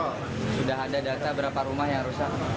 sudah ada data berapa rumah yang rusak